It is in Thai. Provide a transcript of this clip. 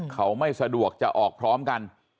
เขาไม่สะดวกจะออกพร้อมกัน